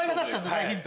大ヒント。